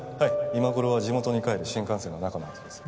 今頃は地元に帰る新幹線の中のはずです。